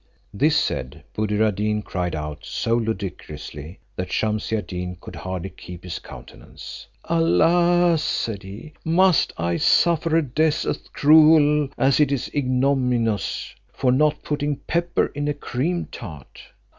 This said, Buddir ad Deen cried out so ludicrously, that Shumse ad Deen could hardly keep his countenance: "Alas!" said he, "must I suffer a death as cruel as it is ignominious, for not putting pepper in a cream tart?"